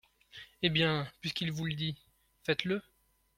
Eh bien, puisqu’il vous le dit… faites-le…